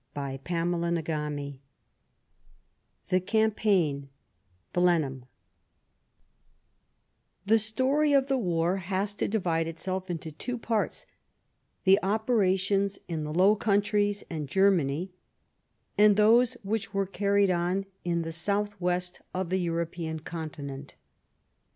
CHAPTER VII '' THE CAMPAIGN '* BLENHEIM The story of the war has to divide itself into two parts — the operations in the Low Countries and Ger many, and those which were carried on in the southwest of the European continent.